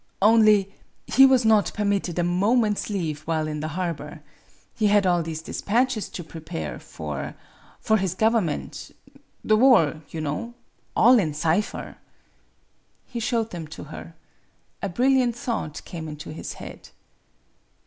" Only he was not permitted a moment's leave while in the harbor. He had all these despatches to pre pareforfor his government the war, you know. All in cipher." He showed them to her. A brilliant thought came into his head.